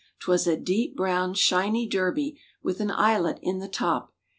128 'Twas a deep brown, shiny Derby With an eyelet in the top.